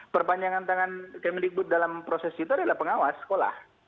perpanjangan tangan kemendikbud dalam proses itu adalah pengawas sekolah